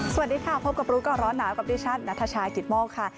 สวัสดีค่ะพบกับรู้ก่อนร้อนหนาวกับดิฉันนัทชายกิตโมกค่ะ